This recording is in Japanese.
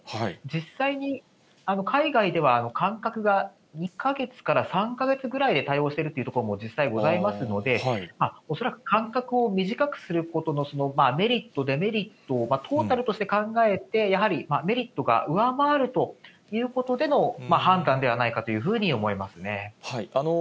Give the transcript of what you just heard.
実際に海外では、間隔が２か月から３か月ぐらいで対応してるという所も実際ございますので、恐らく間隔を短くすることのメリット、デメリットをトータルとして考えて、やはりメリットが上回るということでの判断ではないかというふうに思いますね。